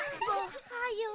おはよう。